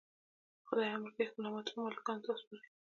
خدای امر کوي خپل امانتونه مالکانو ته وسپارئ.